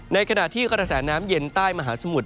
ในขณะที่กระแสน้ำเย็นใต้มหาสมุทร